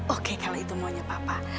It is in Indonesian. oke kalau itu maunya papa